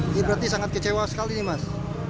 ini berarti sangat kecewa sekali nih mas